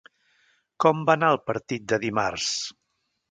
Com va anar el partit de dimarts?